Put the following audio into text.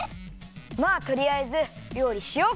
まあとりあえずりょうりしようか！